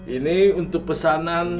ini untuk pesanan